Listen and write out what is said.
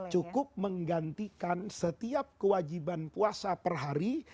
cukup menggantikan setiap kewajiban puasa per hari